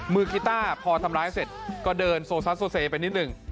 กีต้าพอทำร้ายเสร็จก็เดินโซซัสโซเซไปนิดหนึ่ง